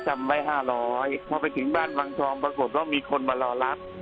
จำไว้ห้าร้อยพอไปถึงบ้านวังทองปรากฏว่ามีคนมารอรับ